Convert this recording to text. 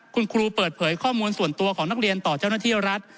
คุณครูเปิดเผยข้อมูลส่วนตัวของนักเรียนต่อเจ้าหน้าที่รัฐ